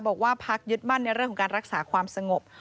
บอกว่าพักยึดมั่นในเรื่องของการรักษาความสงบ